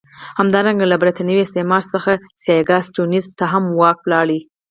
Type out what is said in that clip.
همدارنګه له برېتانوي استعمار څخه سیاکا سټیونز ته هم واک ولاړ.